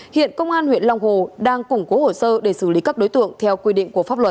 hiện công an huyện long hồ đang củng cố hồ sơ để xử lý các đối tượng theo quy định của pháp luật